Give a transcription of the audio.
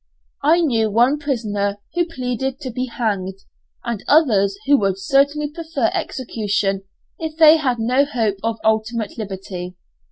I knew one prisoner who pleaded to be hanged, and others who would certainly prefer execution if they had no hope of ultimate liberty.